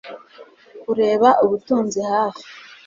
Kureba ubutunzi hafi